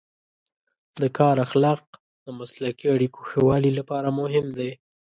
د کار اخلاق د مسلکي اړیکو ښه والي لپاره مهم دی.